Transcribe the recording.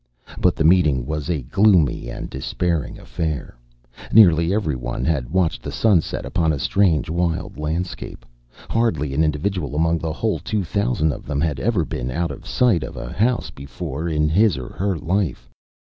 But the meeting was a gloomy and despairing affair. Nearly every one had watched the sun set upon a strange, wild landscape. Hardly an individual among the whole two thousand of them had ever been out of sight of a house before in his or her life.